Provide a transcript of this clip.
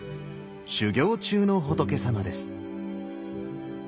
修行中の仏さまです。